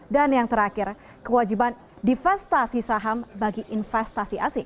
dan yang terakhir kewajiban divestasi saham bagi investasi asing